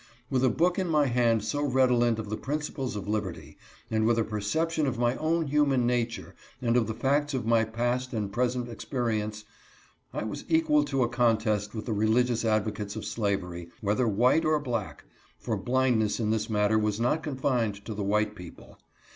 With a book in my hand so redolent of the principles of liberty, and master's predictions verified. 105 with a perception of my own human nature and of the facts of my past and present experience, I was equal to a contest with the religious advocates of slavery, whether white or black ; for blindness in this matter was not con fined to the white people.